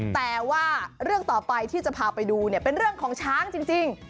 แต่ว่าเรื่องต่อไปที่จะพาไปดูเนี่ยเป็นเรื่องของช้างจริง